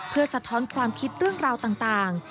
เพื่อสะท้อนความคิดเรื่องราวต่าง